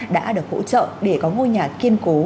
đã được hỗ trợ để có ngôi nhà kiên cố